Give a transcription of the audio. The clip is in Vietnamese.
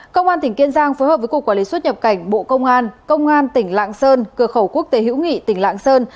công an tỉnh kiên giang phối hợp với cục quản lý xuất nhập cảnh bộ công an công an tỉnh lạng sơn cửa khẩu quốc tế hữu nghị tỉnh lạng sơn